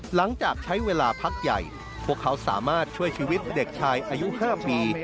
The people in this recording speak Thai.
หลังจากใช้เวลาพักใหญ่พวกเขาสามารถช่วยชีวิตเด็กชายอายุ๕ปี